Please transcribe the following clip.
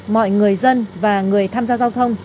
mọi người dân và người tham gia giao thông